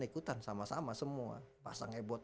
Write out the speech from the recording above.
ikutan sama sama semua pasang ebot